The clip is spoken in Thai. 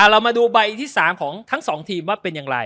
เรามาดูใบที่๓ของทั้ง๒ทีมว่าเป็นอย่างไร